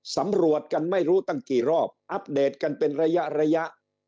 สำรวจกันไม่รู้ตั้งกี่รอบอัปเดตกันเป็นระยะระยะ